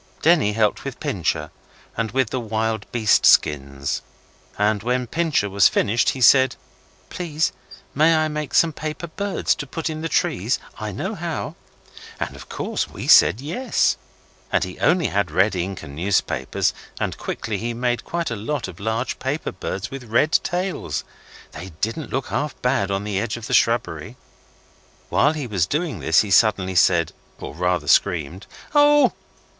Denny helped with Pincher, and with the wild beast skins, and when Pincher was finished he said 'Please, may I make some paper birds to put in the trees? I know how.' And of course we said 'Yes', and he only had red ink and newspapers, and quickly he made quite a lot of large paper birds with red tails. They didn't look half bad on the edge of the shrubbery. While he was doing this he suddenly said, or rather screamed, 'Oh?